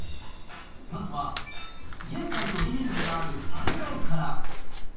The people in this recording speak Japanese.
まずは、玄関とリビングがある３階から。